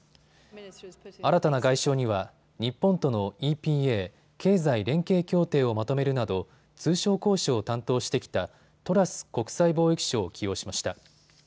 新たな外相には日本とのＥＰＡ・経済連携協定をまとめるなど通商交渉を担当してきたトラス国際貿易相を起用しました。